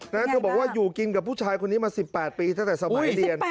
เธอบอกว่าอยู่กินกับผู้ชายคนนี้มา๑๘ปีตั้งแต่สมัยเรียน